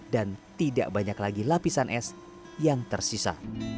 dan tidak banyak lagi lapisan es yang tersisa